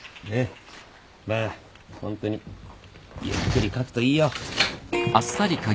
まあホントにゆっくり書くといいよ。